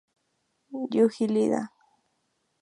Yuji Iida